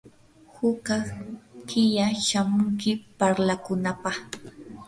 hukaq killa shamunki parlakunapaq.